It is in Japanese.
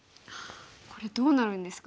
これどうなるんですか？